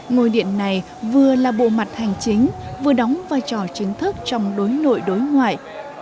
ngôi điện này vừa là bộ mặt hành chính vừa đóng vai trò chính thức trong đối nội đối ngoại